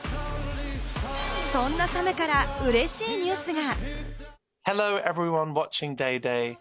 そんなサムから、うれしいニュースが。